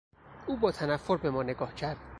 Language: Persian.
او با تنفر به ما نگاه کرد.